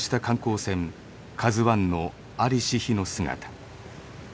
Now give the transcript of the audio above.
ＫＡＺＵⅠの在りし日の姿。